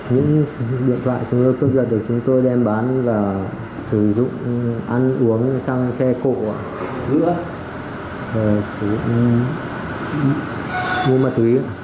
những điện thoại chúng tôi cướp giật được chúng tôi đem bán và sử dụng ăn uống sang xe cộ sử dụng mua mặt túy